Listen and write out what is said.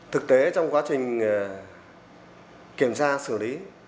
thực tế trong quá trình kiểm tra xử lý